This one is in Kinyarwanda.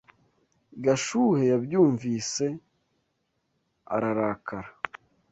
Gashuhe yabyumvise ararakara.